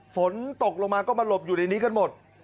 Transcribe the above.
ฝนตกลงมาก็มาหลบอยู่ในนี้กันหมด